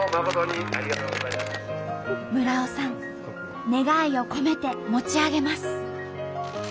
村尾さん願いを込めて持ち上げます。